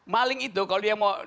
maling itu kalau dia mau